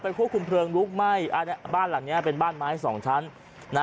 ไปควบคุมเพลิงลุกไหม้บ้านหลังนี้เป็นบ้านไม้๒ชั้น